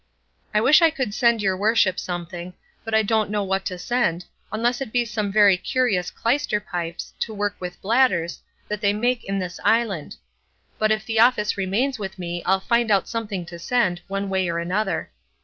I wish I could send your worship something; but I don't know what to send, unless it be some very curious clyster pipes, to work with bladders, that they make in this island; but if the office remains with me I'll find out something to send, one way or another.